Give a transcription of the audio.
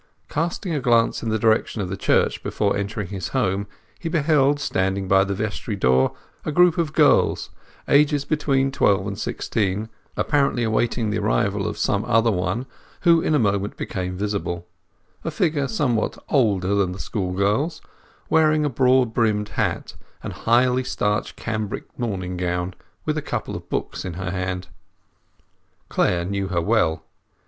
Casting a glance in the direction of the church before entering his home, he beheld standing by the vestry door a group of girls, of ages between twelve and sixteen, apparently awaiting the arrival of some other one, who in a moment became visible; a figure somewhat older than the school girls, wearing a broad brimmed hat and highly starched cambric morning gown, with a couple of books in her hand. Clare knew her well.